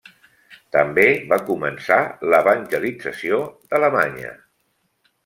També va començar l’evangelització d’Alemanya.